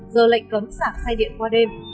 giờ lệnh cấm xạc xe điện qua đêm